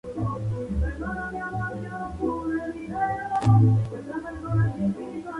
Se duplican las ventas y los beneficios.